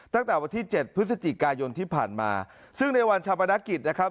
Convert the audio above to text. ตั้งแต่วันที่เจ็ดพฤศจิกายนที่ผ่านมาซึ่งในวันชาปนกิจนะครับ